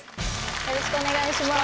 よろしくお願いします。